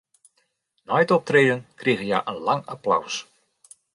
Nei it optreden krigen hja in lang applaus.